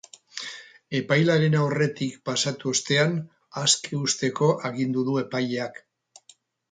Epailearen aurretik pasatu ostean, aske uzteko agindu du epaileak.